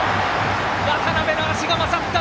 渡邊の足が勝った！